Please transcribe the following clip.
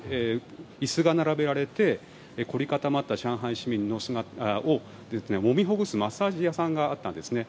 椅子が並べられて凝り固まった上海市民をもみほぐすマッサージ屋さんがあったんですね。